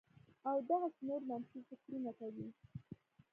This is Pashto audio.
او دغسې نور منفي فکرونه کوي